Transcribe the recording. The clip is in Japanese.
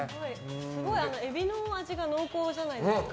エビの味が濃厚じゃないですか。